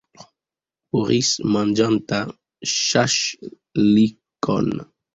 Boris, manĝanta ŝaŝlikon.